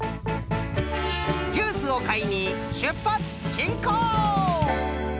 ジュースをかいにしゅっぱつしんこう！